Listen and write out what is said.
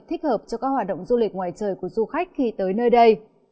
thích hợp cho các hoạt động du lịch ngoài trời của du khách khi tới nơi đây